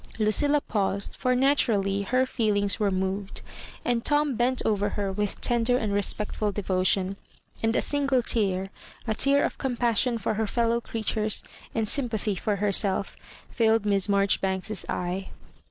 Lucilla paused, for naturally her feelings were moved ; and Tom bent over her with tender and respectful devotion ; and a single tear — a tear of compassion for her fellow creatures and sym pathy for herself— filled Miss Marjoribanks's eye.